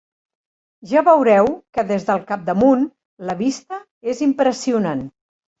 Ja veureu que des del capdamunt la vista és impressionant.